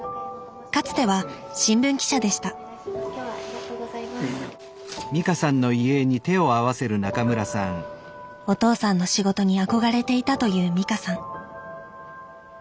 かつては新聞記者でしたお父さんの仕事に憧れていたという美香さん